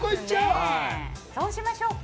そうしましょうか。